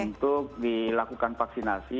untuk dilakukan vaksinasi